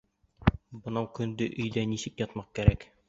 Бынау көндө нисек өйҙә ятмаҡ кәрәк!